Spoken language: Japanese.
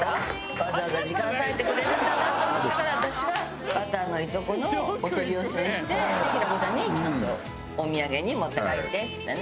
わざわざ時間割いてくれるんだなと思ったから私はバターのいとこのお取り寄せをして平子ちゃんにちゃんと「お土産に持って帰って」っつってね。